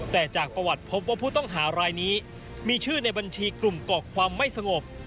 แต่จากประวัติพบว่าผู้ต้องหารายนี้มีชื่อในบัญชีกลุ่มเกาะความไม่สงบ